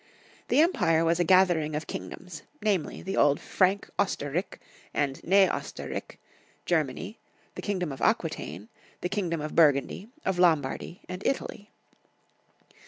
The empire was a gathering of kingdoms — namely, the old Frank Oster rik and Ne oster rik, Germany, the kingdom of Aquitane, the kingdom of Bur gundy, of Lombardy, and Italy.